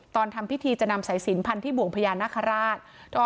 ทำพิธีจะนำสายสินพันธุ์บ่วงพญานาคาราช